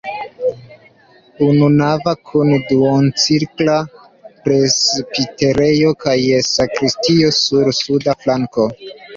Ununava kun duoncirkla presbiterejo kaj sakristio sur suda flanko.